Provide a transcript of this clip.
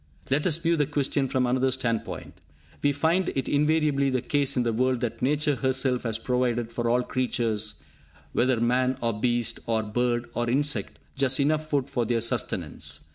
Let us view the question from another standpoint. We find it invariably the case in the world that Nature herself has provided for all creatures, whether man or beast, or bird or insect, just enough food for their sustenance.